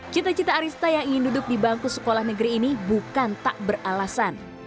cita cita arista yang ingin duduk di bangku sekolah negeri ini bukan tak beralasan